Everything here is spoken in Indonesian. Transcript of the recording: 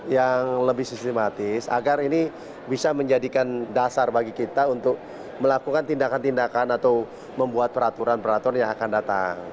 yang lebih sistematis agar ini bisa menjadikan dasar bagi kita untuk melakukan tindakan tindakan atau membuat peraturan peraturan yang akan datang